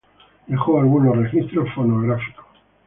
Dejó algunos registros fonográficos.